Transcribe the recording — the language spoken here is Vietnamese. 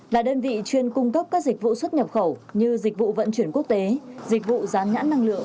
là đơn vị chuyên cung cấp các dịch vụ xuất nhập khẩu như dịch vụ vận chuyển quốc tế dịch vụ gián nhãn năng lượng